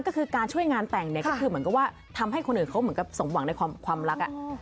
ก็คือการช่วยงานแต่งเนี่ยก็คือเหมือนกับว่าทำให้คนอื่นเขาเหมือนกับสมหวังในความรัก